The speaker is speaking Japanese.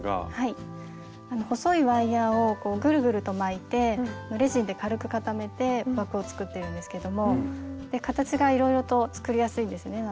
細いワイヤーをぐるぐると巻いてレジンで軽く固めて枠を作ってるんですけども形がいろいろと作りやすいんですねなので。